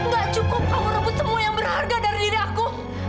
gak cukup kamu rebut temu yang berharga dari diri aku